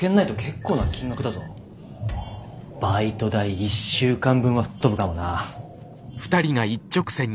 「バイト代１週間分は吹っ飛ぶかもな」。